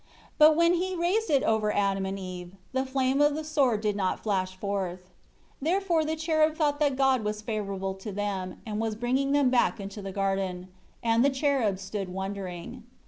But when he raised it over Adam and Eve, the flame of the sword did not flash forth. 6 Therefore the cherub thought that God was favorable to them, and was bringing them back into the garden. And the cherub stood wondering.